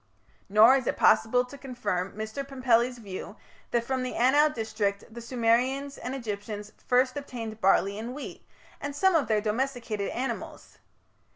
Nor is it possible to confirm Mr. Pumpelly's view that from the Anau district the Sumerians and Egyptians first obtained barley and wheat, and some of their domesticated animals.